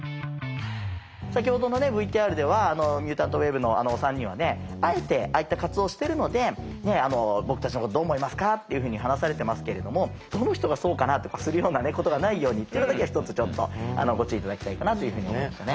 先ほどのＶＴＲではミュータントウェーブ。のあのお三人はあえてああいった活動をしてるので「僕たちのことをどう思いますか？」っていうふうに話されてますけれども「どの人がそうかな」とかするようなことがないようにってことだけは一つちょっとご注意頂きたいかなというふうに思いましたね。